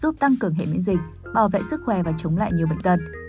giúp tăng cường hệ miễn dịch bảo vệ sức khỏe và chống lại nhiều bệnh tật